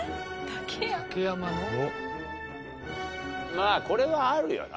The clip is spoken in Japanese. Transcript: まあこれはあるよな。